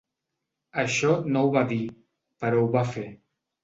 Això no ho va dir, però ho va fer.